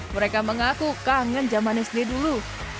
mereka mengaku kangen zaman es ini dulu